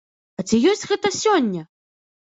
А ці ёсць гэта сёння?